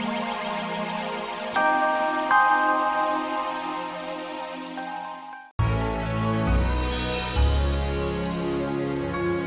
salah satu dia yang menyebarkan kamar saya